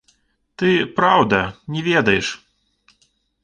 Ты, праўда, не ведаеш.